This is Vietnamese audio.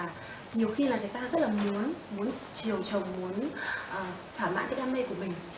nhiều khi là người ta rất là muốn chiều chồng muốn thỏa mãn cái đam mê của mình